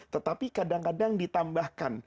tetapi kadang kadang ditambahkan